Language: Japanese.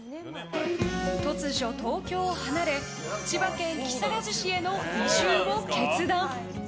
突如、東京を離れ千葉県木更津市への移住を決断。